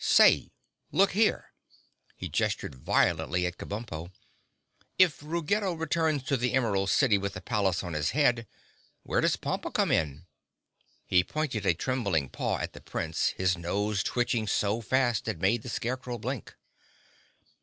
Say, look here!" He gestured violently to Kabumpo. "If Ruggedo returns to the Emerald City with the palace on his head, where does Pompa come in?" He pointed a trembling paw at the Prince, his nose twitching so fast it made the Scarecrow blink.